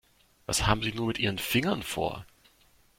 Was haben Sie nur mit Ihren Fingern vor?